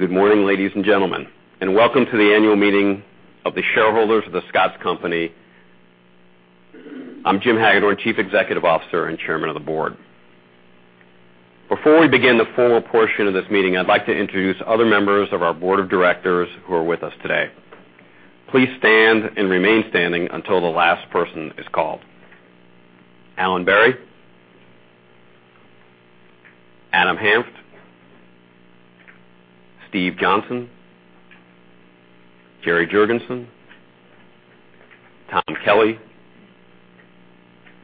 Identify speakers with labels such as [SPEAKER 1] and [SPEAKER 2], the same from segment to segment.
[SPEAKER 1] Good morning, ladies and gentlemen, and welcome to the annual meeting of the shareholders of The Scotts Company. I'm Jim Hagedorn, Chief Executive Officer and Chairman of the Board. Before we begin the formal portion of this meeting, I'd like to introduce other members of our board of directors who are with us today. Please stand and remain standing until the last person is called. Alan Berry. Adam Hanft. Steve Johnson. Gerry Jurgensen. Tom Kelly.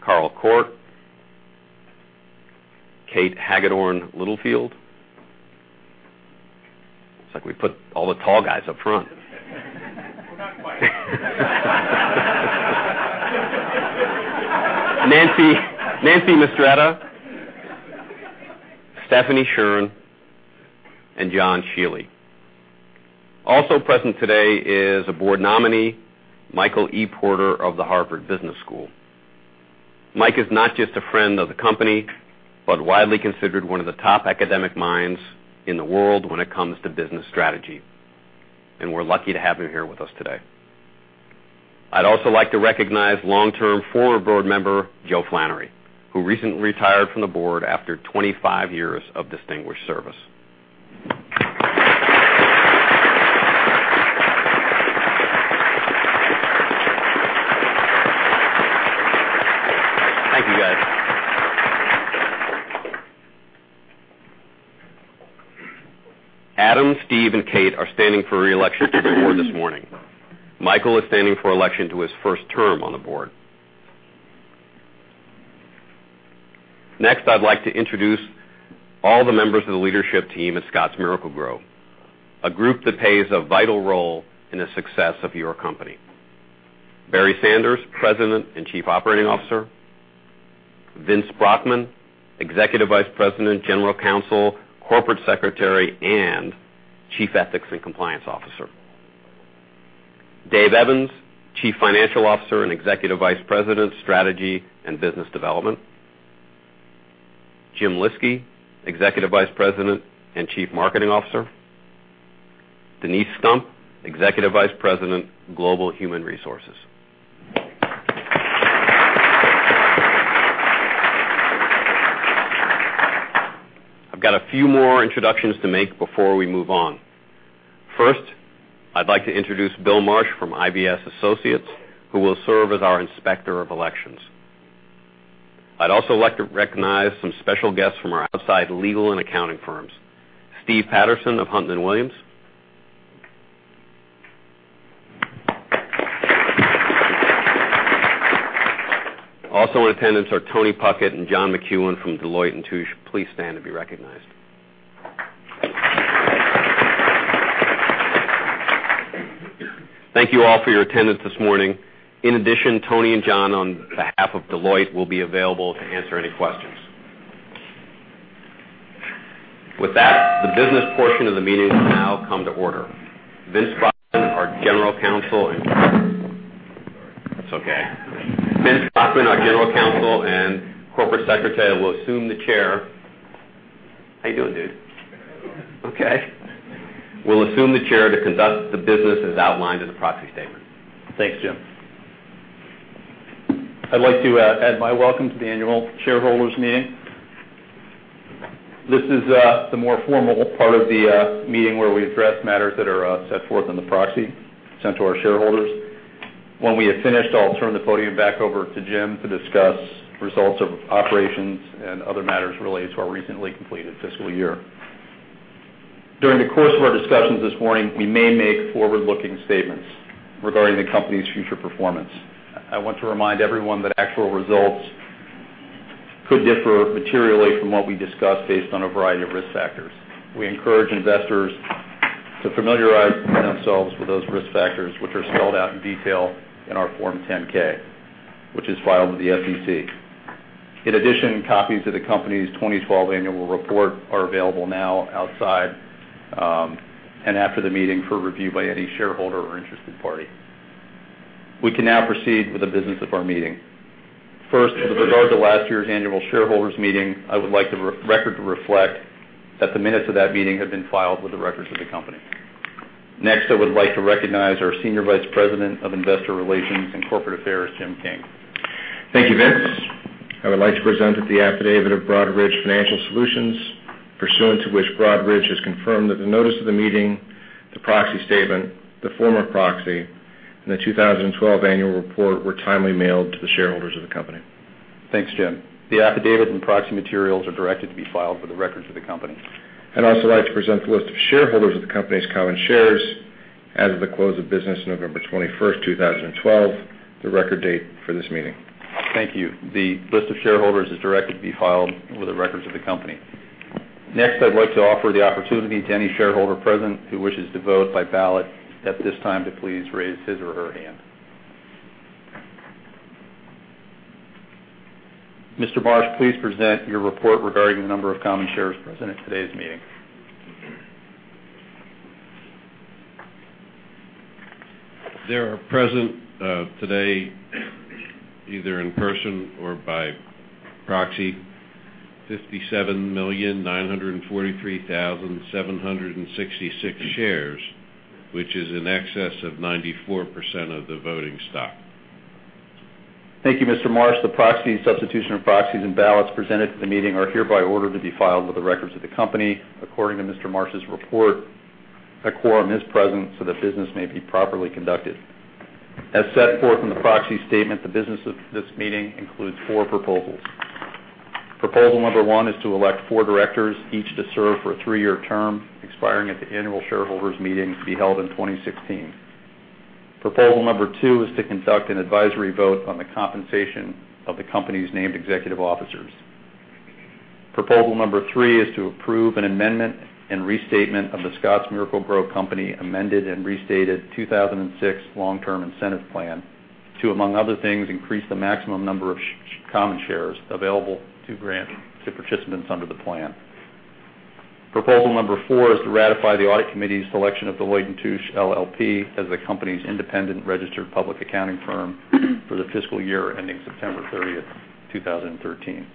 [SPEAKER 1] Carl Kohrt. Kate Hagedorn Littlefield. It's like we put all the tall guys up front.
[SPEAKER 2] Well, not quite.
[SPEAKER 1] Nancy Mistretta. Stephanie Shern. John Shiely. Also present today is a board nominee, Michael E. Porter of the Harvard Business School. Mike is not just a friend of the company, but widely considered one of the top academic minds in the world when it comes to business strategy, we're lucky to have him here with us today. I'd also like to recognize long-term former board member, Joe Flannery, who recently retired from the board after 25 years of distinguished service. Thank you, guys. Adam, Steve, and Kate are standing for re-election to the board this morning. Michael is standing for election to his first term on the board. I'd like to introduce all the members of the leadership team at Scotts Miracle-Gro, a group that plays a vital role in the success of your company. Barry Sanders, President and Chief Operating Officer. Vince Brockman, Executive Vice President, General Counsel, Corporate Secretary, and Chief Ethics and Compliance Officer. Dave Evans, Chief Financial Officer and Executive Vice President, Strategy and Business Development. Jim Lyski, Executive Vice President and Chief Marketing Officer. Denise Stump, Executive Vice President, Global Human Resources. I've got a few more introductions to make before we move on. I'd like to introduce Bill Marsh from IBS Associates, who will serve as our Inspector of Elections. I'd also like to recognize some special guests from our outside legal and accounting firms. Steve Patterson of Hunton & Williams. In attendance are Tony Puckett and John McEwen from Deloitte & Touche. Please stand to be recognized. Thank you all for your attendance this morning. Tony and John, on behalf of Deloitte, will be available to answer any questions. With that, the business portion of the meeting will now come to order. Vince Brockman, our General Counsel and Corporate Secretary, will assume the chair. How you doing, dude?
[SPEAKER 3] Good.
[SPEAKER 1] Okay. He will assume the chair to conduct the business as outlined in the proxy statement.
[SPEAKER 3] Thanks, Jim. I'd like to add my welcome to the annual shareholders meeting. This is the more formal part of the meeting where we address matters that are set forth in the proxy sent to our shareholders. When we have finished, I'll turn the podium back over to Jim to discuss results of operations and other matters related to our recently completed fiscal year. During the course of our discussions this morning, we may make forward-looking statements regarding the company's future performance. I want to remind everyone that actual results could differ materially from what we discuss based on a variety of risk factors. We encourage investors to familiarize themselves with those risk factors, which are spelled out in detail in our Form 10-K, which is filed with the SEC. Copies of the company's 2012 annual report are available now outside, and after the meeting, for review by any shareholder or interested party. We can now proceed with the business of our meeting. First, with regard to last year's annual shareholders meeting, I would like the record to reflect that the minutes of that meeting have been filed with the records of the company. Next, I would like to recognize our Senior Vice President of Investor Relations and Corporate Affairs, Jim King.
[SPEAKER 2] Thank you, Vince. I would like to present the affidavit of Broadridge Financial Solutions, pursuant to which Broadridge has confirmed that the notice of the meeting, the proxy statement, the form of proxy, and the 2012 annual report were timely mailed to the shareholders of the company.
[SPEAKER 3] Thanks, Jim. The affidavit and proxy materials are directed to be filed with the records of the company.
[SPEAKER 2] I'd also like to present the list of shareholders of the company's common shares as of the close of business November 21st, 2012, the record date for this meeting.
[SPEAKER 3] Thank you. The list of shareholders is directed to be filed with the records of the company. Next, I'd like to offer the opportunity to any shareholder present who wishes to vote by ballot at this time to please raise his or her hand. Mr. Marsh, please present your report regarding the number of common shares present at today's meeting.
[SPEAKER 4] There are present today, either in person or by proxy, 57,943,766 shares, which is in excess of 94% of the voting stock.
[SPEAKER 3] Thank you, Mr. Marsh. The proxy, substitution of proxies and ballots presented to the meeting are hereby ordered to be filed with the records of the company, according to Mr. Marsh's report. A quorum is present so that business may be properly conducted. As set forth in the proxy statement, the business of this meeting includes four proposals. Proposal number one is to elect four directors, each to serve for a three-year term, expiring at the annual shareholders meeting to be held in 2016. Proposal number two is to conduct an advisory vote on the compensation of the company's named executive officers. Proposal number three is to approve an amendment and restatement of The Scotts Miracle-Gro Company Amended and Restated 2006 Long-Term Incentive Plan to, among other things, increase the maximum number of common shares available to grant to participants under the plan. Proposal number four is to ratify the audit committee's selection of Deloitte & Touche LLP as the company's independent registered public accounting firm for the fiscal year ending September 30, 2013.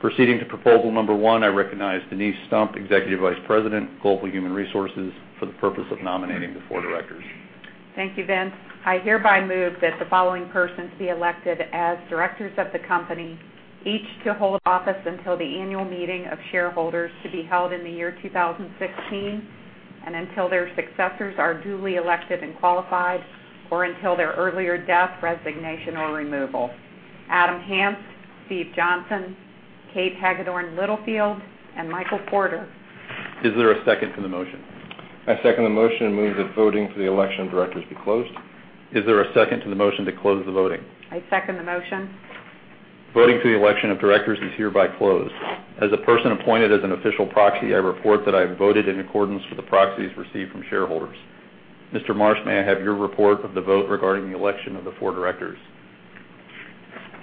[SPEAKER 3] Proceeding to proposal number one, I recognize Denise Stump, Executive Vice President, Global Human Resources, for the purpose of nominating the four directors.
[SPEAKER 5] Thank you, Vince. I hereby move that the following persons be elected as directors of the company, each to hold office until the annual meeting of shareholders to be held in the year 2016, and until their successors are duly elected and qualified, or until their earlier death, resignation, or removal. Adam Hanft, Steve Johnson, Kate Hagedorn Littlefield, and Michael Porter.
[SPEAKER 3] Is there a second to the motion?
[SPEAKER 2] I second the motion and move that voting for the election of directors be closed.
[SPEAKER 3] Is there a second to the motion to close the voting?
[SPEAKER 5] I second the motion.
[SPEAKER 3] Voting for the election of directors is hereby closed. As a person appointed as an official proxy, I report that I have voted in accordance with the proxies received from shareholders. Mr. Marsh, may I have your report of the vote regarding the election of the four directors?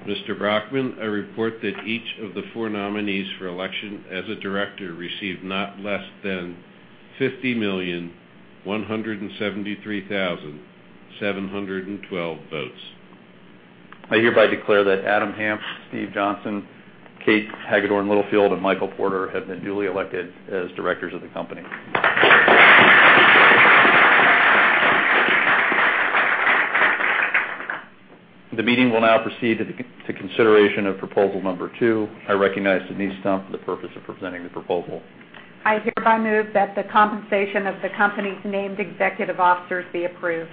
[SPEAKER 4] Mr. Brockman, I report that each of the four nominees for election as a director received not less than 50,173,712 votes.
[SPEAKER 3] I hereby declare that Adam Hanft, Steve Johnson, Kate Hagedorn Littlefield, and Michael Porter have been duly elected as directors of the company. The meeting will now proceed to consideration of proposal number two. I recognize Denise Stump for the purpose of presenting the proposal.
[SPEAKER 5] I hereby move that the compensation of the company's named executive officers be approved.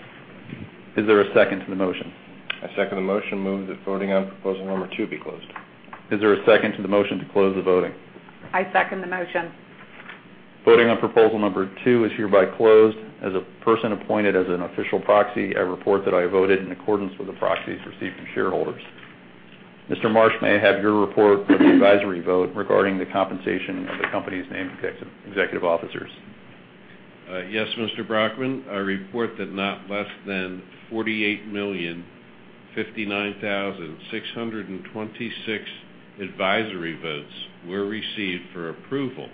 [SPEAKER 3] Is there a second to the motion?
[SPEAKER 2] I second the motion and move that voting on proposal number two be closed.
[SPEAKER 3] Is there a second to the motion to close the voting?
[SPEAKER 5] I second the motion.
[SPEAKER 3] Voting on proposal number 2 is hereby closed. As a person appointed as an official proxy, I report that I voted in accordance with the proxies received from shareholders. Mr. Marsh, may I have your report of the advisory vote regarding the compensation of the company's named executive officers?
[SPEAKER 4] Yes, Mr. Brockman. I report that not less than 48,059,626 advisory votes were received for approval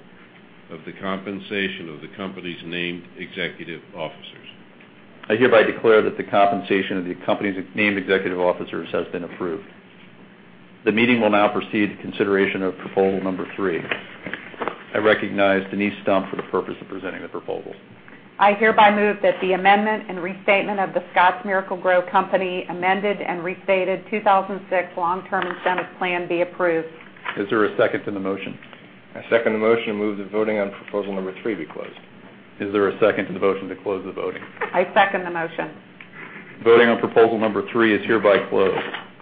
[SPEAKER 4] of the compensation of the company's named executive officers.
[SPEAKER 3] I hereby declare that the compensation of the company's named executive officers has been approved. The meeting will now proceed to consideration of proposal number 3. I recognize Denise Stump for the purpose of presenting the proposal.
[SPEAKER 5] I hereby move that the amendment and restatement of The Scotts Miracle-Gro Company Amended and Restated 2006 Long-Term Incentive Plan be approved.
[SPEAKER 3] Is there a second to the motion?
[SPEAKER 2] I second the motion and move that voting on proposal number three be closed.
[SPEAKER 3] Is there a second to the motion to close the voting?
[SPEAKER 5] I second the motion.
[SPEAKER 3] Voting on proposal number three is hereby closed.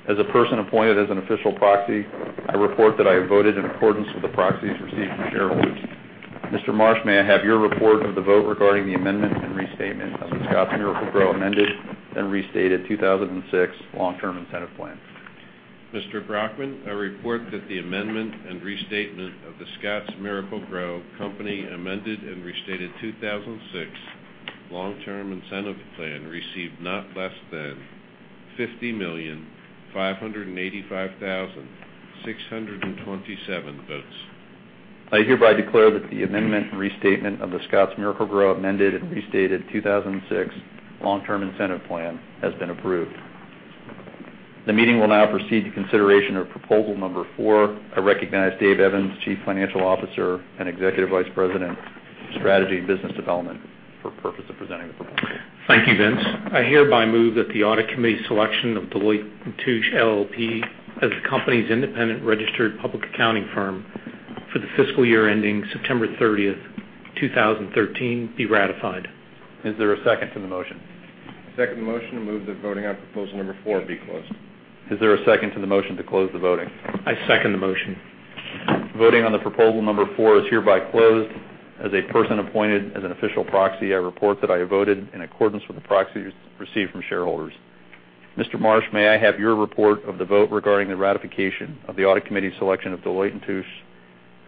[SPEAKER 3] As a person appointed as an official proxy, I report that I have voted in accordance with the proxies received from shareholders. Mr. Marsh, may I have your report of the vote regarding the amendment and restatement of The Scotts Miracle-Gro Amended and Restated 2006 Long-Term Incentive Plan?
[SPEAKER 4] Mr. Brockman, I report that the amendment and restatement of The Scotts Miracle-Gro Company Amended and Restated 2006 Long-Term Incentive Plan received not less than 50,585,627 votes.
[SPEAKER 3] I hereby declare that the amendment and restatement of The Scotts Miracle-Gro Amended and Restated 2006 Long-Term Incentive Plan has been approved. The meeting will now proceed to consideration of proposal number four. I recognize Dave Evans, Chief Financial Officer and Executive Vice President, Strategy and Business Development, for purpose of presenting the proposal.
[SPEAKER 6] Thank you, Vince. I hereby move that the audit committee selection of Deloitte & Touche LLP as the company's independent registered public accounting firm for the fiscal year ending September 30, 2013, be ratified.
[SPEAKER 3] Is there a second to the motion?
[SPEAKER 2] I second the motion and move that voting on proposal number four be closed.
[SPEAKER 3] Is there a second to the motion to close the voting?
[SPEAKER 6] I second the motion.
[SPEAKER 3] Voting on the proposal number 4 is hereby closed. As a person appointed as an official proxy, I report that I voted in accordance with the proxies received from shareholders. Mr. Marsh, may I have your report of the vote regarding the ratification of the audit committee selection of Deloitte & Touche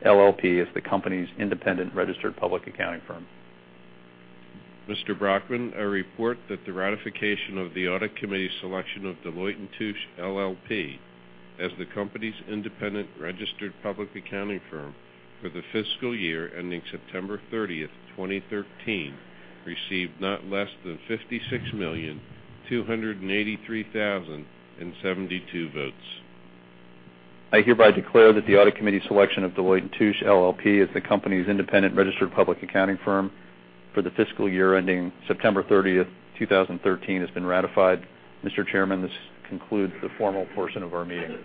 [SPEAKER 3] LLP as the company's independent registered public accounting firm?
[SPEAKER 4] Mr. Brockman, I report that the ratification of the audit committee selection of Deloitte & Touche LLP as the company's independent registered public accounting firm for the fiscal year ending September 30, 2013, received not less than 56,283,072 votes.
[SPEAKER 3] I hereby declare that the audit committee selection of Deloitte & Touche LLP as the company's independent registered public accounting firm for the fiscal year ending September 30, 2013, has been ratified. Mr. Chairman, this concludes the formal portion of our meeting.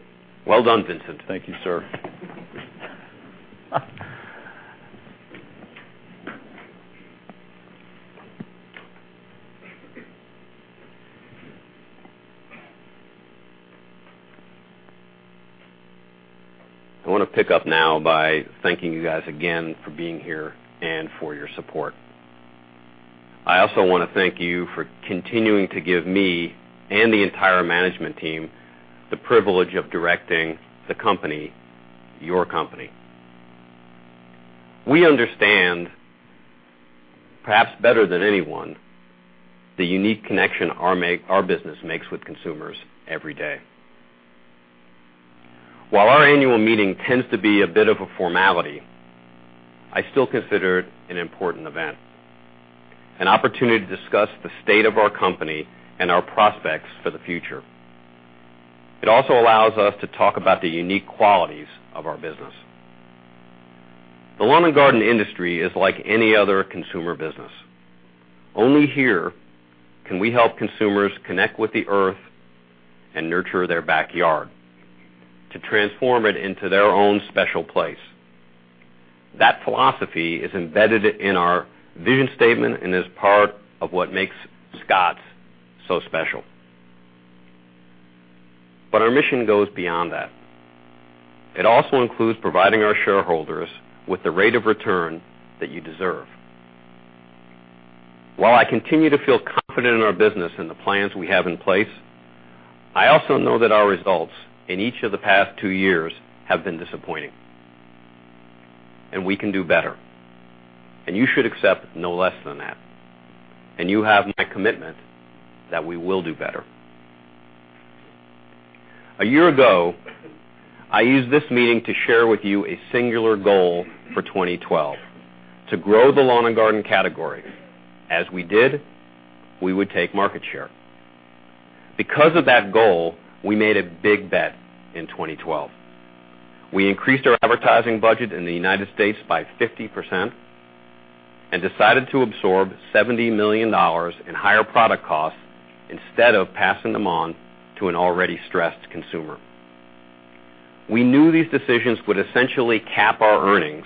[SPEAKER 1] Well done, Vincent.
[SPEAKER 3] Thank you, sir.
[SPEAKER 1] I want to pick up now by thanking you guys again for being here and for your support. I also want to thank you for continuing to give me and the entire management team the privilege of directing the company, your company. We understand, perhaps better than anyone, the unique connection our business makes with consumers every day. While our annual meeting tends to be a bit of a formality, I still consider it an important event, an opportunity to discuss the state of our company and our prospects for the future. It also allows us to talk about the unique qualities of our business. The lawn and garden industry is like any other consumer business. Only here can we help consumers connect with the Earth and nurture their backyard to transform it into their own special place. That philosophy is embedded in our vision statement and is part of what makes Scotts so special. Our mission goes beyond that. It also includes providing our shareholders with the rate of return that you deserve. While I continue to feel confident in our business and the plans we have in place, I also know that our results in each of the past two years have been disappointing, and we can do better, and you should accept no less than that, and you have my commitment that we will do better. A year ago, I used this meeting to share with you a singular goal for 2012: to grow the lawn and garden category. As we did, we would take market share. Because of that goal, we made a big bet in 2012. We increased our advertising budget in the U.S. by 50% and decided to absorb $70 million in higher product costs instead of passing them on to an already stressed consumer. We knew these decisions would essentially cap our earnings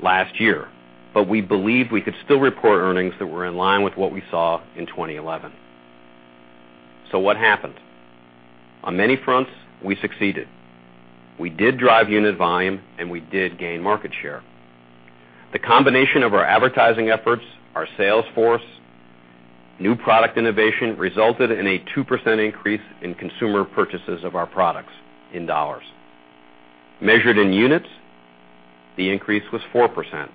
[SPEAKER 1] last year, but we believed we could still report earnings that were in line with what we saw in 2011. What happened? On many fronts, we succeeded. We did drive unit volume, we did gain market share. The combination of our advertising efforts, our sales force, new product innovation, resulted in a 2% increase in consumer purchases of our products in dollars. Measured in units, the increase was 4%.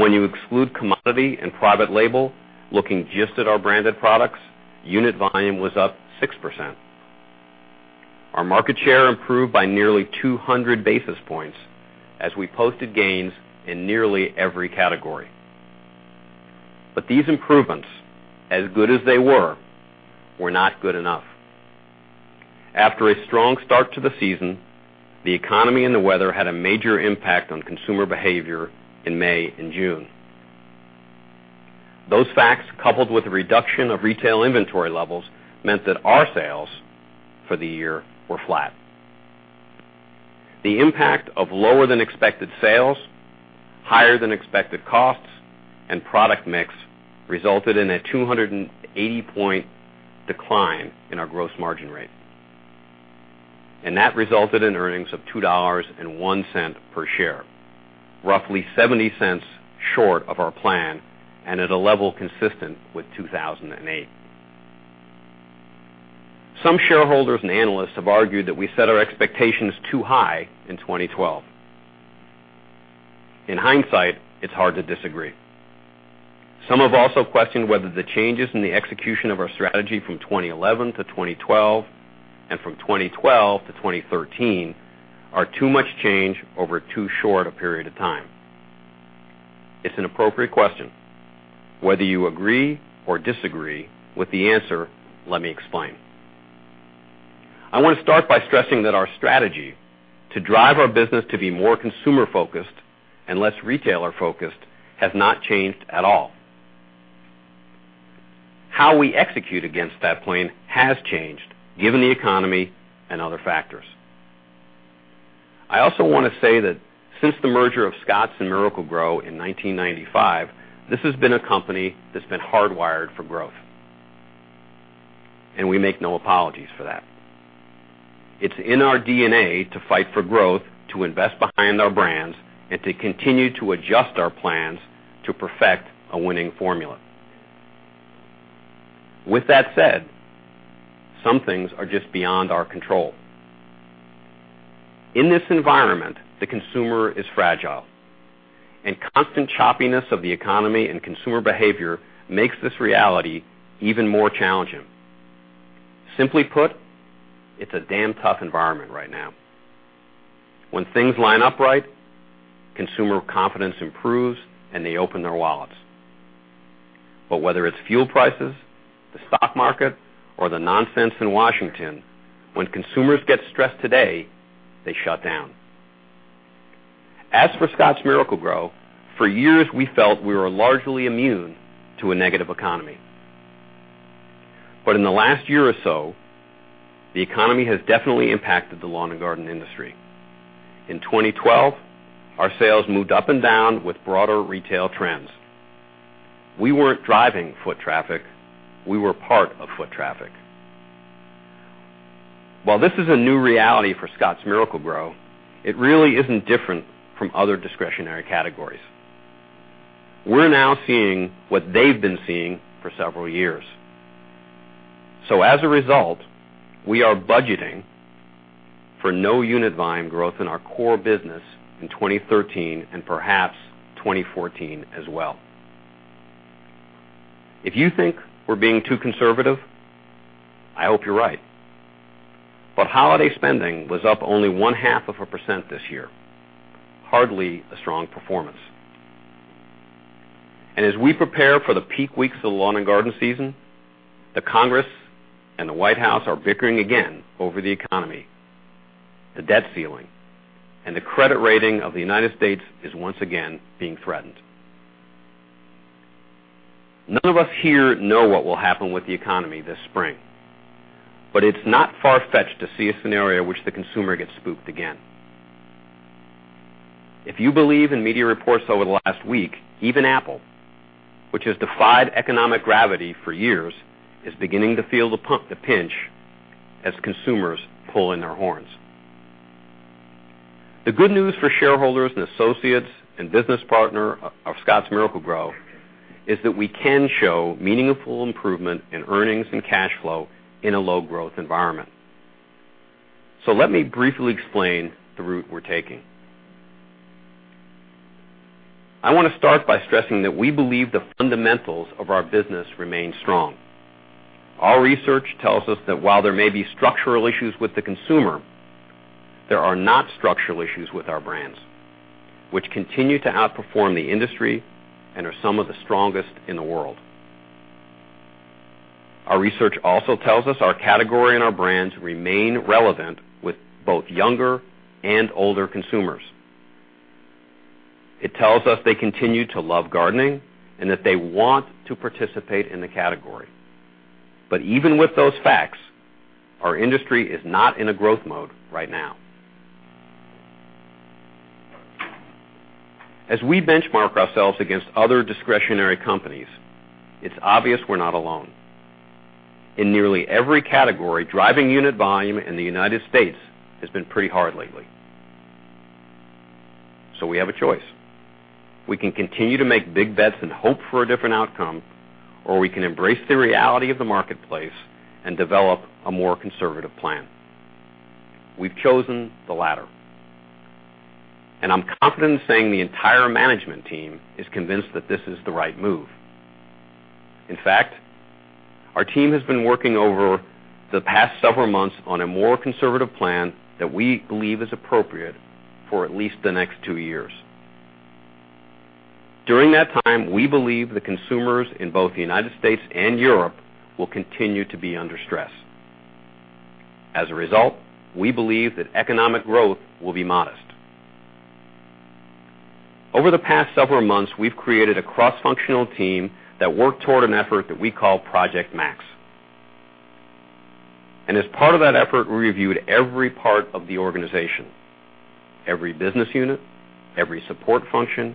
[SPEAKER 1] When you exclude commodity and private label, looking just at our branded products, unit volume was up 6%. Our market share improved by nearly 200 basis points as we posted gains in nearly every category. These improvements, as good as they were not good enough. After a strong start to the season, the economy and the weather had a major impact on consumer behavior in May and June. Those facts, coupled with the reduction of retail inventory levels, meant that our sales for the year were flat. The impact of lower than expected sales, higher than expected costs, and product mix resulted in a 280-point decline in our gross margin rate. That resulted in earnings of $2.01 per share, roughly $0.70 short of our plan, and at a level consistent with 2008. Some shareholders and analysts have argued that we set our expectations too high in 2012. In hindsight, it's hard to disagree. Some have also questioned whether the changes in the execution of our strategy from 2011 to 2012 and from 2012 to 2013 are too much change over too short a period of time. It's an appropriate question. Whether you agree or disagree with the answer, let me explain. I want to start by stressing that our strategy to drive our business to be more consumer-focused and less retailer-focused has not changed at all. How we execute against that plan has changed given the economy and other factors. I also want to say that since the merger of Scotts and Miracle-Gro in 1995, this has been a company that's been hardwired for growth, and we make no apologies for that. It's in our DNA to fight for growth, to invest behind our brands, and to continue to adjust our plans to perfect a winning formula. With that said, some things are just beyond our control. In this environment, the consumer is fragile. Constant choppiness of the economy and consumer behavior makes this reality even more challenging. Simply put, it's a damn tough environment right now. When things line up right, consumer confidence improves, and they open their wallets. Whether it's fuel prices, the stock market, or the nonsense in Washington, when consumers get stressed today, they shut down. As for Scotts Miracle-Gro, for years we felt we were largely immune to a negative economy. In the last year or so, the economy has definitely impacted the lawn and garden industry. In 2012, our sales moved up and down with broader retail trends. We weren't driving foot traffic, we were part of foot traffic. While this is a new reality for Scotts Miracle-Gro, it really isn't different from other discretionary categories. We're now seeing what they've been seeing for several years. As a result, we are budgeting for no unit volume growth in our core business in 2013 and perhaps 2014 as well. If you think we're being too conservative, I hope you're right. Holiday spending was up only one-half of a percent this year. Hardly a strong performance. As we prepare for the peak weeks of the lawn and garden season, the Congress and the White House are bickering again over the economy. The debt ceiling and the credit rating of the U.S. is once again being threatened. None of us here know what will happen with the economy this spring, it's not far-fetched to see a scenario in which the consumer gets spooked again. If you believe in media reports over the last week, even Apple, which has defied economic gravity for years, is beginning to feel the pinch as consumers pull in their horns. The good news for shareholders and associates and business partner of Scotts Miracle-Gro is that we can show meaningful improvement in earnings and cash flow in a low-growth environment. Let me briefly explain the route we're taking. I want to start by stressing that we believe the fundamentals of our business remain strong. Our research tells us that while there may be structural issues with the consumer, there are not structural issues with our brands, which continue to outperform the industry and are some of the strongest in the world. Our research also tells us our category and our brands remain relevant with both younger and older consumers. It tells us they continue to love gardening and that they want to participate in the category. Even with those facts, our industry is not in a growth mode right now. As we benchmark ourselves against other discretionary companies, it's obvious we're not alone. In nearly every category, driving unit volume in the U.S. has been pretty hard lately. We have a choice. We can continue to make big bets and hope for a different outcome, or we can embrace the reality of the marketplace and develop a more conservative plan. We've chosen the latter. I'm confident in saying the entire management team is convinced that this is the right move. In fact, our team has been working over the past several months on a more conservative plan that we believe is appropriate for at least the next two years. During that time, we believe the consumers in both the U.S. and Europe will continue to be under stress. As a result, we believe that economic growth will be modest. Over the past several months, we've created a cross-functional team that worked toward an effort that we call Project Max. As part of that effort, we reviewed every part of the organization, every business unit, every support function,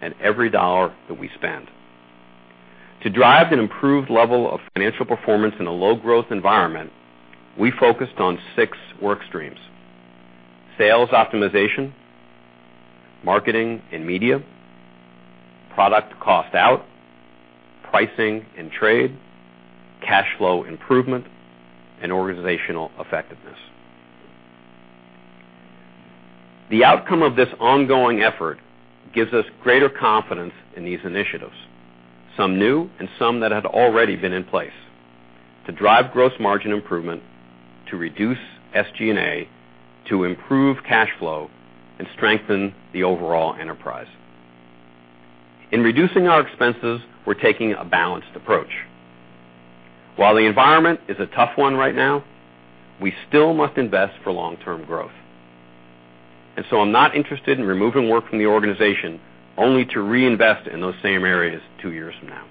[SPEAKER 1] and every dollar that we spend. To drive an improved level of financial performance in a low-growth environment, we focused on six work streams, sales optimization, marketing and media, product cost out, pricing and trade, cash flow improvement, and organizational effectiveness. The outcome of this ongoing effort gives us greater confidence in these initiatives, some new and some that had already been in place, to drive gross margin improvement, to reduce SG&A, to improve cash flow, and strengthen the overall enterprise. In reducing our expenses, we're taking a balanced approach. While the environment is a tough one right now, we still must invest for long-term growth. So I'm not interested in removing work from the organization, only to reinvest in those same areas two years from now.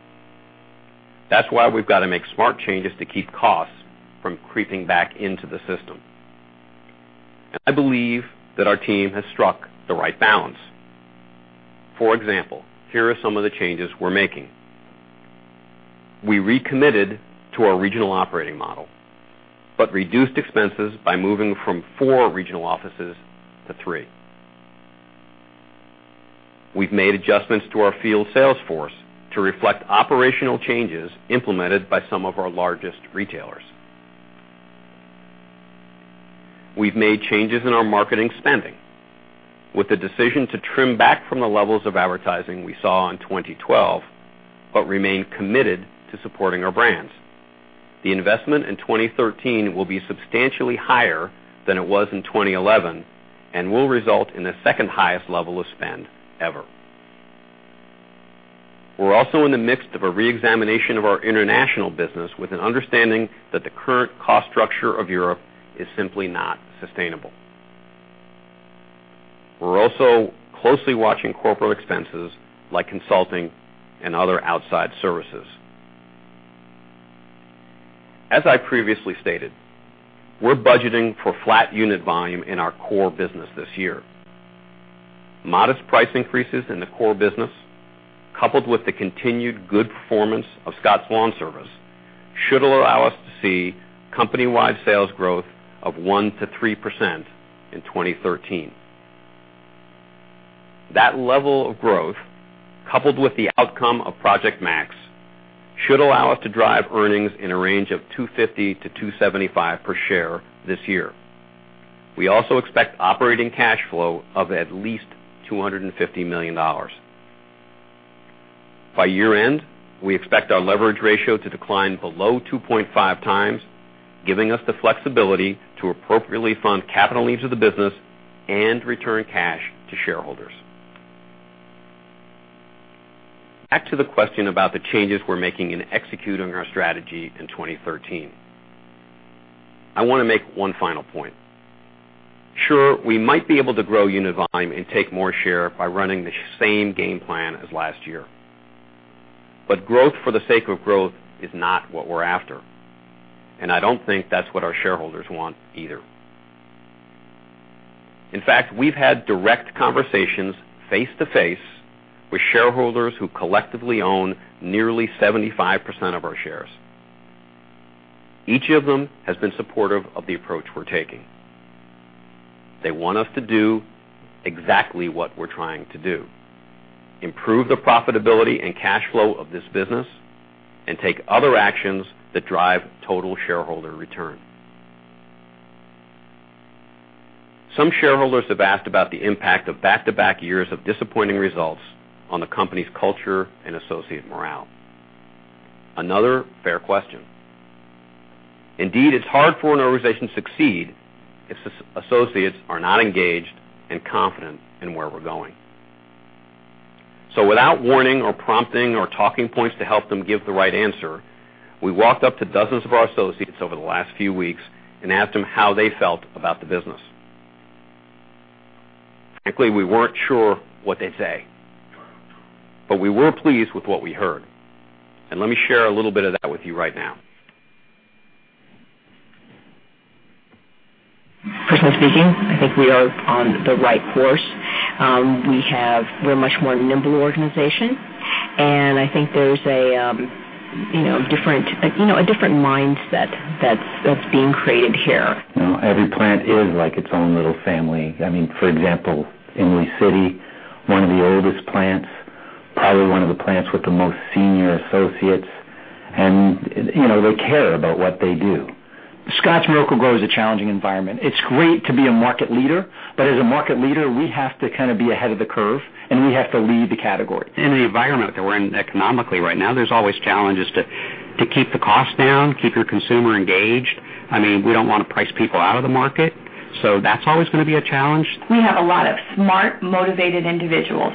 [SPEAKER 1] That's why we've got to make smart changes to keep costs from creeping back into the system. I believe that our team has struck the right balance. For example, here are some of the changes we're making. We recommitted to our regional operating model, but reduced expenses by moving from four regional offices to three. We've made adjustments to our field sales force to reflect operational changes implemented by some of our largest retailers. We've made changes in our marketing spending with the decision to trim back from the levels of advertising we saw in 2012, but remain committed to supporting our brands. The investment in 2013 will be substantially higher than it was in 2011 and will result in the second highest level of spend ever. We're also in the midst of a re-examination of our international business with an understanding that the current cost structure of Europe is simply not sustainable. We're also closely watching corporate expenses like consulting and other outside services. As I previously stated, we're budgeting for flat unit volume in our core business this year. Modest price increases in the core business, coupled with the continued good performance of Scotts LawnService, should allow us to see company-wide sales growth of 1%-3% in 2013. That level of growth, coupled with the outcome of Project Max, should allow us to drive earnings in a range of $2.50 to $2.75 per share this year. We also expect operating cash flow of at least $250 million. By year-end, we expect our leverage ratio to decline below 2.5 times, giving us the flexibility to appropriately fund capital needs of the business and return cash to shareholders. Back to the question about the changes we're making in executing our strategy in 2013. I want to make one final point. Sure, we might be able to grow unit volume and take more share by running the same game plan as last year, but growth for the sake of growth is not what we're after. I don't think that's what our shareholders want either. In fact, we've had direct conversations face-to-face with shareholders who collectively own nearly 75% of our shares. Each of them has been supportive of the approach we're taking. They want us to do exactly what we're trying to do, improve the profitability and cash flow of this business and take other actions that drive total shareholder return. Some shareholders have asked about the impact of back-to-back years of disappointing results on the company's culture and associate morale. Another fair question. Indeed, it's hard for an organization to succeed if associates are not engaged and confident in where we're going. Without warning or prompting or talking points to help them give the right answer, we walked up to dozens of our associates over the last few weeks and asked them how they felt about the business. Frankly, we weren't sure what they'd say, but we were pleased with what we heard. Let me share a little bit of that with you right now.
[SPEAKER 7] Personally speaking, I think we are on the right course. We're a much more nimble organization, I think there's a different mindset that's being created here.
[SPEAKER 8] Every plant is like its own little family. For example, Imlay City, one of the oldest plants, probably one of the plants with the most senior associates, they care about what they do.
[SPEAKER 9] Scotts Miracle-Gro is a challenging environment. It's great to be a market leader. As a market leader, we have to kind of be ahead of the curve, and we have to lead the category.
[SPEAKER 8] In the environment that we're in economically right now, there's always challenges to keep the cost down, keep your consumer engaged. We don't want to price people out of the market. That's always going to be a challenge.
[SPEAKER 10] We have a lot of smart, motivated individuals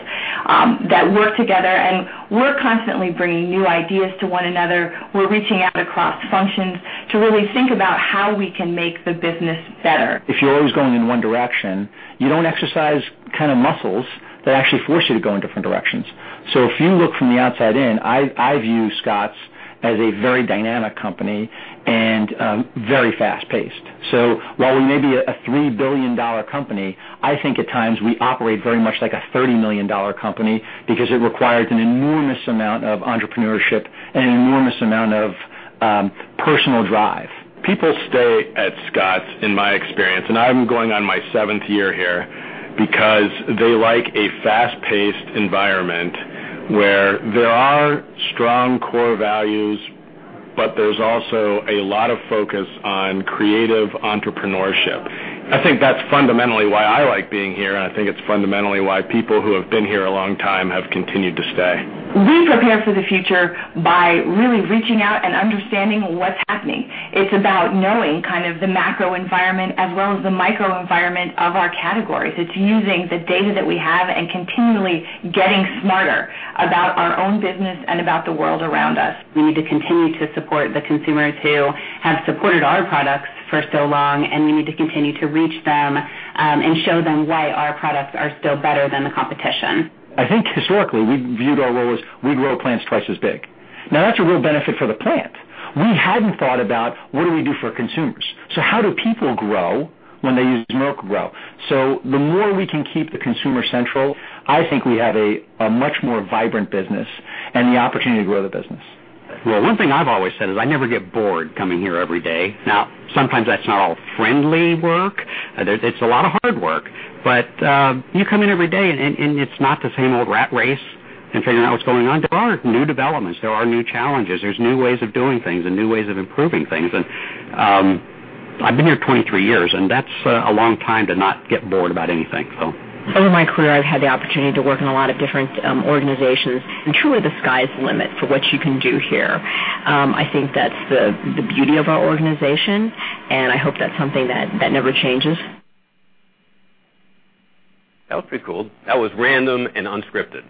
[SPEAKER 10] that work together, and we're constantly bringing new ideas to one another. We're reaching out across functions to really think about how we can make the business better.
[SPEAKER 11] If you're always going in one direction, you don't exercise kind of muscles that actually force you to go in different directions. If you look from the outside in, I view Scotts as a very dynamic company and very fast-paced. While we may be a $3 billion company, I think at times we operate very much like a $30 million company because it requires an enormous amount of entrepreneurship and an enormous amount of personal drive.
[SPEAKER 8] People stay at Scotts, in my experience, and I'm going on my seventh year here, because they like a fast-paced environment where there are strong core values, but there's also a lot of focus on creative entrepreneurship. I think that's fundamentally why I like being here, and I think it's fundamentally why people who have been here a long time have continued to stay.
[SPEAKER 10] We prepare for the future by really reaching out and understanding what's happening. It's about knowing kind of the macro environment as well as the micro environment of our categories. It's using the data that we have and continually getting smarter about our own business and about the world around us.
[SPEAKER 7] We need to continue to support the consumers who have supported our products for so long. We need to continue to reach them and show them why our products are still better than the competition.
[SPEAKER 12] I think historically, we viewed our role as we grow plants twice as big. Now, that's a real benefit for the plant. We hadn't thought about what do we do for consumers. How do people grow when they use Miracle-Gro? The more we can keep the consumer central, I think we have a much more vibrant business and the opportunity to grow the business.
[SPEAKER 13] Well, one thing I've always said is I never get bored coming here every day. Now, sometimes that's not all friendly work. It's a lot of hard work. You come in every day, and it's not the same old rat race and figuring out what's going on. There are new developments. There are new challenges. There's new ways of doing things and new ways of improving things. I've been here 23 years, and that's a long time to not get bored about anything.
[SPEAKER 14] Over my career, I've had the opportunity to work in a lot of different organizations, and truly the sky's limit for what you can do here. I think that's the beauty of our organization, and I hope that's something that never changes.
[SPEAKER 1] That was pretty cool. That was random and unscripted.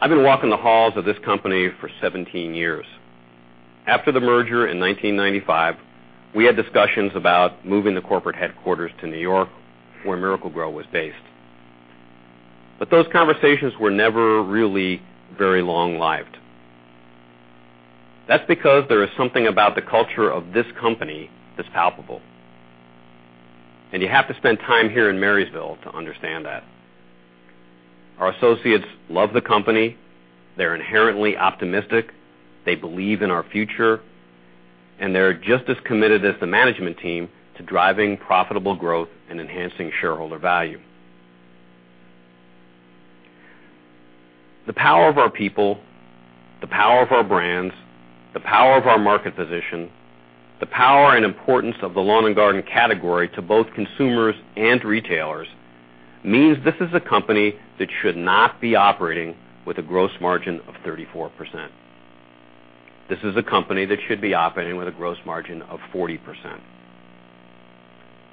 [SPEAKER 1] I've been walking the halls of this company for 17 years. After the merger in 1995, we had discussions about moving the corporate headquarters to New York, where Miracle-Gro was based. Those conversations were never really very long-lived. That's because there is something about the culture of this company that's palpable. You have to spend time here in Marysville to understand that. Our associates love the company. They're inherently optimistic. They believe in our future, and they're just as committed as the management team to driving profitable growth and enhancing shareholder value. The power of our people, the power of our brands, the power of our market position, the power and importance of the lawn and garden category to both consumers and retailers means this is a company that should not be operating with a gross margin of 34%. This is a company that should be operating with a gross margin of 40%.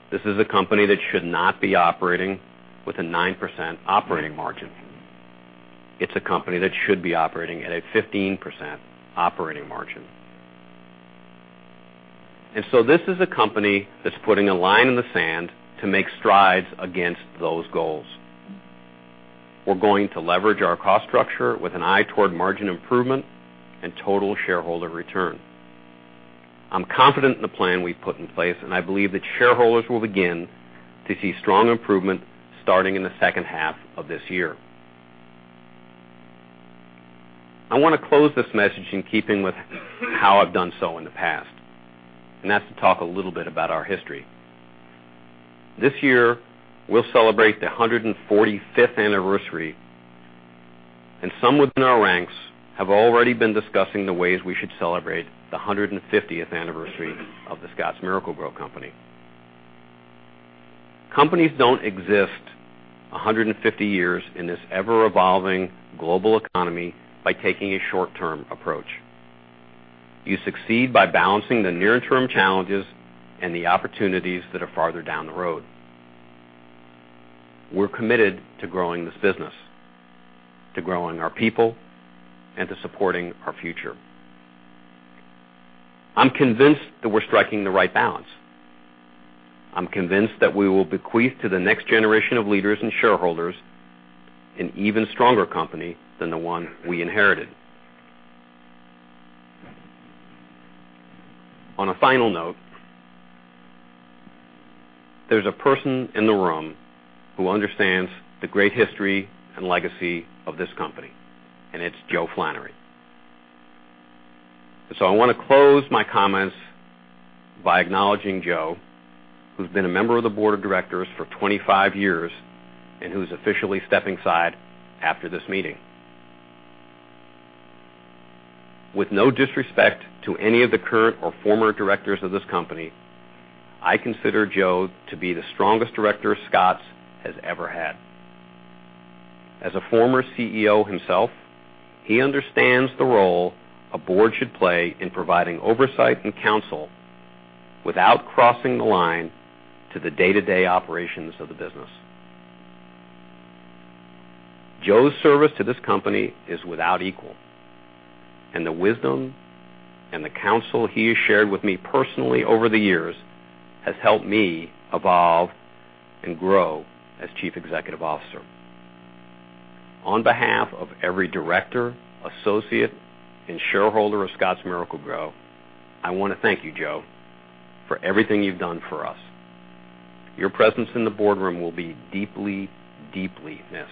[SPEAKER 1] This is a company that should not be operating with a 9% operating margin. It's a company that should be operating at a 15% operating margin. This is a company that's putting a line in the sand to make strides against those goals. We're going to leverage our cost structure with an eye toward margin improvement and total shareholder return. I'm confident in the plan we've put in place, and I believe that shareholders will begin to see strong improvement starting in the second half of this year. I want to close this message in keeping with how I've done so in the past, and that's to talk a little bit about our history. This year, we'll celebrate the 145th anniversary. Some within our ranks have already been discussing the ways we should celebrate the 150th anniversary of The Scotts Miracle-Gro Company. Companies don't exist 150 years in this ever-evolving global economy by taking a short-term approach. You succeed by balancing the near-term challenges and the opportunities that are farther down the road. We're committed to growing this business, to growing our people, and to supporting our future. I'm convinced that we're striking the right balance. I'm convinced that we will bequeath to the next generation of leaders and shareholders an even stronger company than the one we inherited. On a final note, there's a person in the room who understands the great history and legacy of this company. It's Joe Flannery. I want to close my comments by acknowledging Joe, who's been a member of the board of directors for 25 years and who's officially stepping aside after this meeting. With no disrespect to any of the current or former directors of this company, I consider Joe to be the strongest director Scotts has ever had. As a former CEO himself, he understands the role a board should play in providing oversight and counsel without crossing the line to the day-to-day operations of the business. Joe's service to this company is without equal. The wisdom and the counsel he has shared with me personally over the years has helped me evolve and grow as Chief Executive Officer. On behalf of every director, associate, and shareholder of Scotts Miracle-Gro, I want to thank you, Joe, for everything you've done for us. Your presence in the boardroom will be deeply missed.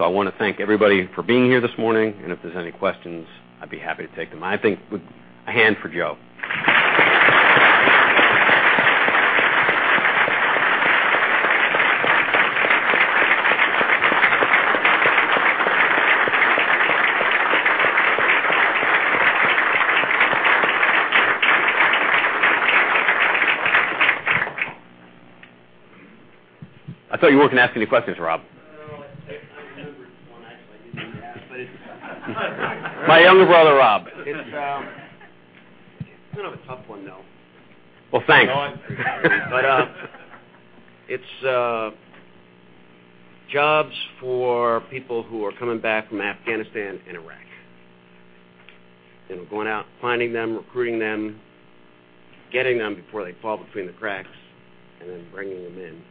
[SPEAKER 1] I want to thank everybody for being here this morning. If there's any questions, I'd be happy to take them. I think a hand for Joe. I thought you weren't going to ask any questions, Rob.
[SPEAKER 13] No, I remembered one, actually.
[SPEAKER 1] My younger brother, Rob.
[SPEAKER 13] It's kind of a tough one, though.
[SPEAKER 1] Well, thanks.
[SPEAKER 13] It's jobs for people who are coming back from Afghanistan and Iraq, and going out, finding them, recruiting them, getting them before they fall between the cracks, and then bringing them in.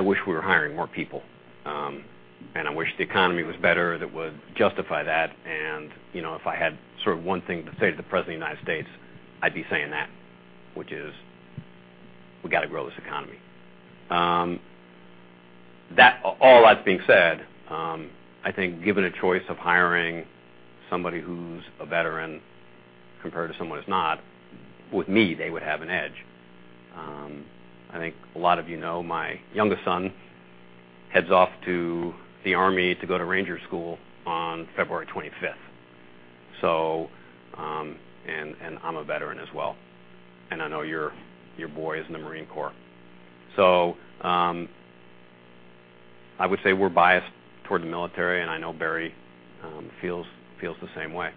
[SPEAKER 1] I wish we were hiring more people. I wish the economy was better. That would justify that. If I had one thing to say to the president of the United States, I'd be saying that, which is, we got to grow this economy. All that being said, I think given a choice of hiring somebody who's a veteran compared to someone who's not, with me, they would have an edge. I think a lot of you know, my youngest son heads off to the army to go to ranger school on February 25th. I'm a veteran as well. I know your boy is in the Marine Corps. I would say we're biased toward the military, and I know Barry feels the same way.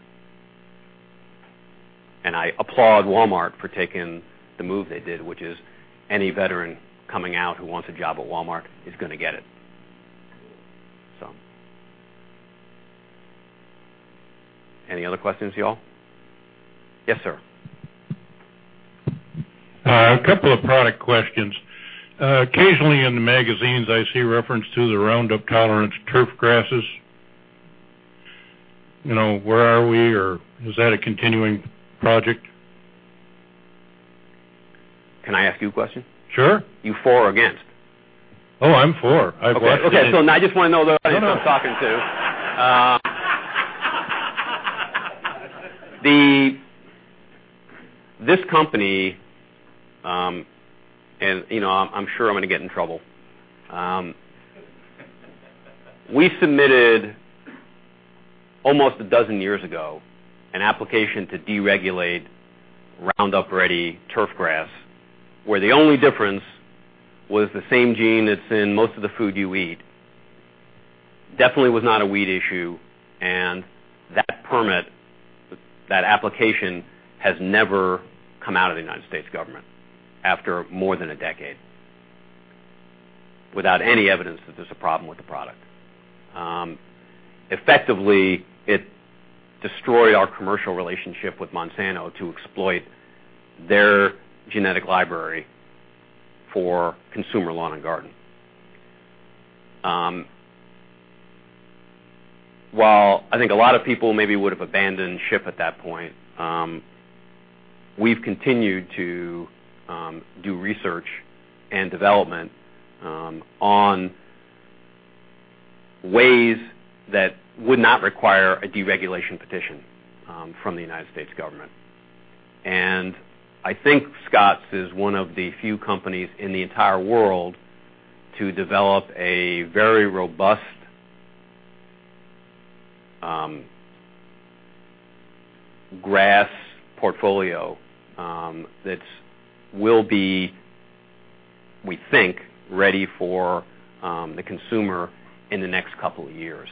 [SPEAKER 1] I applaud Walmart for taking the move they did, which is any veteran coming out who wants a job at Walmart is going to get it. Any other questions, y'all? Yes, sir.
[SPEAKER 15] A couple of product questions. Occasionally, in the magazines, I see reference to the Roundup tolerance turf grasses. Where are we, or is that a continuing project?
[SPEAKER 1] Can I ask you a question?
[SPEAKER 15] Sure.
[SPEAKER 1] You for or against?
[SPEAKER 15] Oh, I'm for.
[SPEAKER 1] Okay. Now I just want to know who I'm talking to. This company, and I'm sure I'm going to get in trouble. We submitted, almost a dozen years ago, an application to deregulate Roundup Ready turf grass, where the only difference was the same gene that's in most of the food you eat. Definitely was not a weed issue, and that permit, that application has never come out of the U.S. government after more than a decade without any evidence that there's a problem with the product. Effectively, it destroyed our commercial relationship with Monsanto to exploit their genetic library for consumer lawn and garden. While I think a lot of people maybe would have abandoned ship at that point, we've continued to do research and development on ways that would not require a deregulation petition from the U.S. government. I think Scotts is one of the few companies in the entire world to develop a very robust grass portfolio that will be, we think, ready for the consumer in the next couple of years.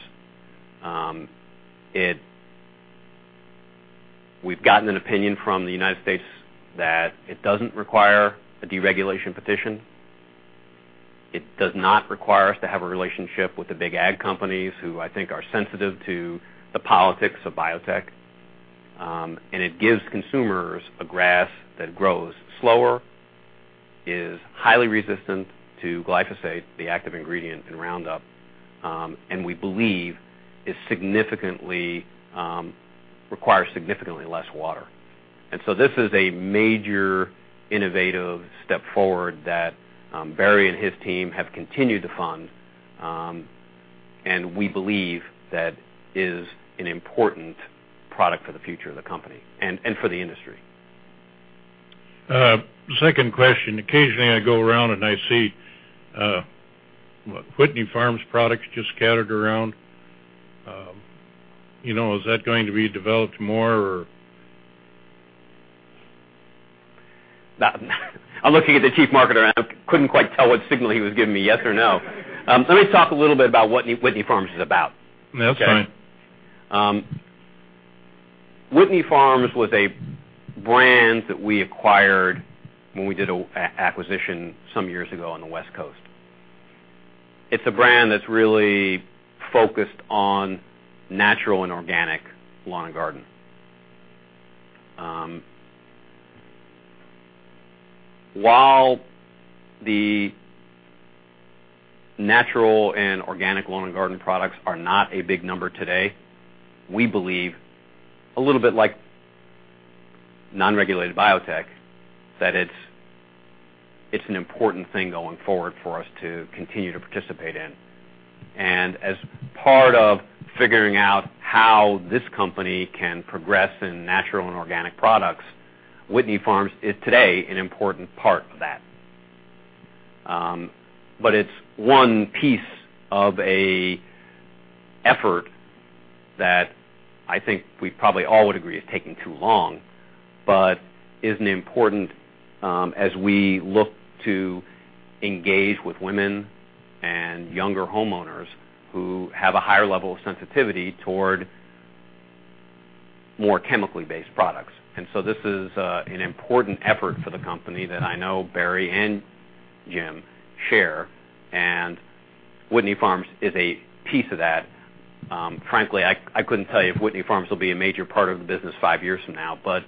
[SPEAKER 1] We've gotten an opinion from the U.S. that it doesn't require a deregulation petition. It does not require us to have a relationship with the big ag companies who I think are sensitive to the politics of biotech. It gives consumers a grass that grows slower, is highly resistant to glyphosate, the active ingredient in Roundup, and we believe requires significantly less water. This is a major innovative step forward that Barry and his team have continued to fund. We believe that is an important product for the future of the company and for the industry.
[SPEAKER 15] Second question. Occasionally, I go around, and I see Whitney Farms products just scattered around. Is that going to be developed more or?
[SPEAKER 1] I'm looking at the chief marketer, and I couldn't quite tell what signal he was giving me, yes or no. Let me talk a little bit about what Whitney Farms is about.
[SPEAKER 15] That's fine.
[SPEAKER 1] Whitney Farms was a brand that we acquired when we did an acquisition some years ago on the West Coast. It's a brand that's really focused on natural and organic lawn and garden. While the natural and organic lawn and garden products are not a big number today, we believe, a little bit like non-regulated biotech, that it's an important thing going forward for us to continue to participate in. As part of figuring out how this company can progress in natural and organic products, Whitney Farms is today an important part of that. It's one piece of an effort that I think we probably all would agree is taking too long, but is an important as we look to engage with women and younger homeowners who have a higher level of sensitivity toward more chemically based products. This is an important effort for the company that I know Barry and Jim share, and Whitney Farms is a piece of that. Frankly, I couldn't tell you if Whitney Farms will be a major part of the business five years from now, but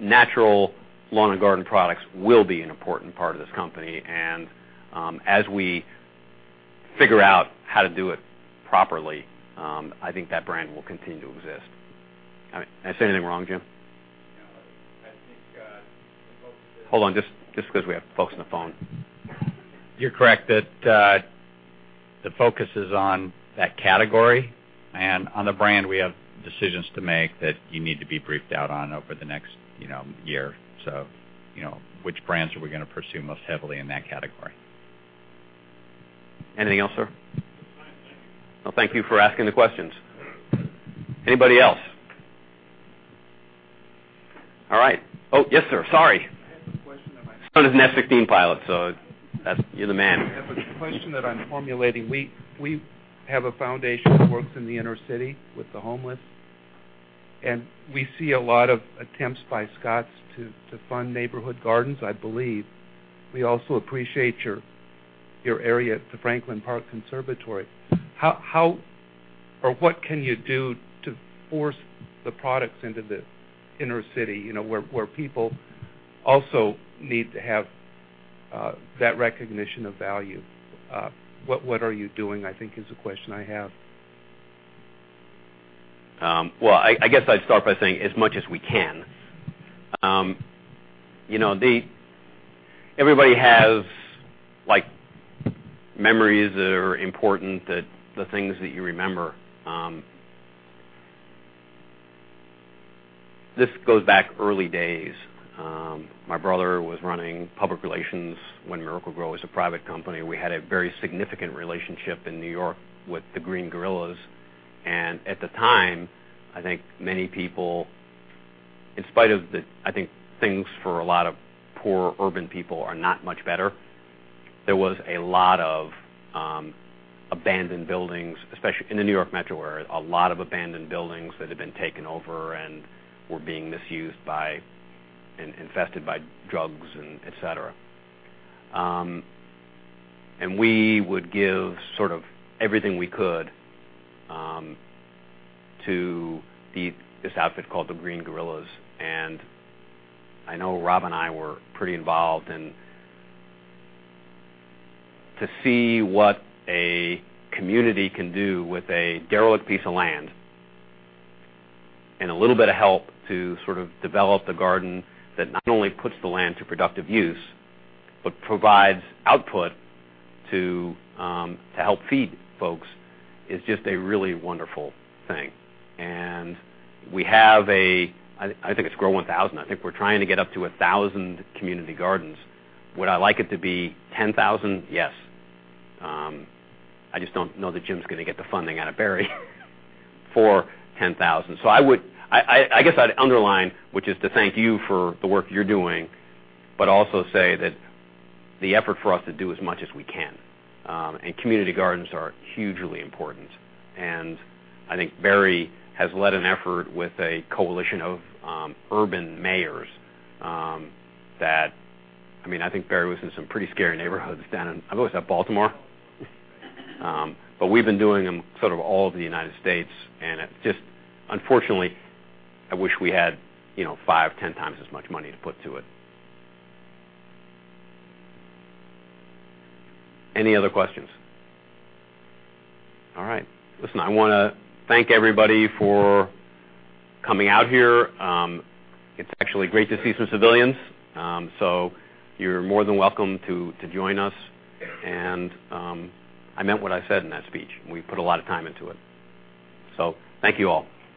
[SPEAKER 1] natural lawn and garden products will be an important part of this company. As we figure out how to do it properly, I think that brand will continue to exist. Did I say anything wrong, Jim?
[SPEAKER 16] No. I think the focus is.
[SPEAKER 1] Hold on, just because we have folks on the phone.
[SPEAKER 16] You're correct that the focus is on that category and on the brand, we have decisions to make that you need to be briefed out on over the next year. Which brands are we going to pursue most heavily in that category?
[SPEAKER 1] Anything else, sir?
[SPEAKER 15] Fine, thank you.
[SPEAKER 1] Well, thank you for asking the questions. Anybody else? All right. Oh, yes, sir. Sorry.
[SPEAKER 17] I have a question.
[SPEAKER 1] My son is an F-16 pilot, you're the man.
[SPEAKER 17] I have a question that I'm formulating. We have a foundation that works in the inner city with the homeless, we see a lot of attempts by Scotts to fund neighborhood gardens, I believe. We also appreciate your area at the Franklin Park Conservatory. How or what can you do to force the products into the inner city, where people also need to have that recognition of value? What are you doing, I think is the question I have.
[SPEAKER 1] Well, I guess I'd start by saying as much as we can. Everybody has memories that are important, the things that you remember. This goes back early days. My brother was running public relations when Miracle-Gro was a private company. We had a very significant relationship in New York with the Green Guerillas, at the time, I think many people, in spite of the, I think things for a lot of poor urban people are not much better. There was a lot of abandoned buildings, especially in the New York metro area, a lot of abandoned buildings that had been taken over and were being misused by and infested by drugs, and et cetera. We would give sort of everything we could to feed this outfit called the Green Guerillas, I know Rob and I were pretty involved To see what a community can do with a derelict piece of land and a little bit of help to sort of develop the garden that not only puts the land to productive use, but provides output to help feed folks is just a really wonderful thing. We have a, I think it's GRO1000. I think we're trying to get up to 1,000 community gardens. Would I like it to be 10,000? Yes. I just don't know that Jim's going to get the funding out of Barry for 10,000. I guess I'd underline, which is to thank you for the work you're doing, but also say that the effort for us to do as much as we can. Community gardens are hugely important. I think Barry has led an effort with a coalition of urban mayors that, I think Barry was in some pretty scary neighborhoods down in, I believe it was at Baltimore. We've been doing them sort of all over the United States, and it just, unfortunately, I wish we had five, 10 times as much money to put to it. Any other questions? All right. Listen, I want to thank everybody for coming out here. It's actually great to see some civilians. You're more than welcome to join us. I meant what I said in that speech. We put a lot of time into it. Thank you all.